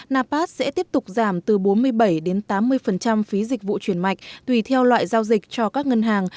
napas sẽ tiếp tục giảm từ bốn mươi bảy đến tám mươi phí dịch vụ chuyển mạch tùy theo loại giao dịch cho các ngân hàng